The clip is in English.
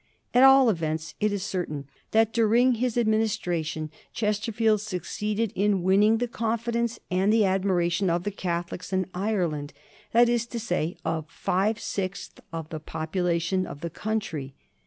At all events it is certain that during his administration Chester field succeeded in winning the confidence and the admira tion of the Catholics of Ireland — that is to say, of five sixths of the population of the country.